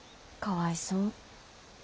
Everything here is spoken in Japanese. かわいそう。